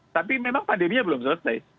tapi memang pandeminya belum selesai